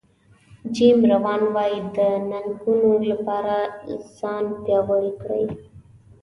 جیم ران وایي د ننګونو لپاره ځان پیاوړی کړئ.